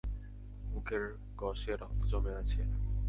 মুখের কষে রক্ত জমে আছে।